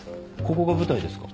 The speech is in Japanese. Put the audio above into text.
ここが舞台ですか？